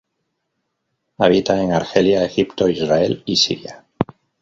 Habita en Argelia, Egipto, Israel y Siria.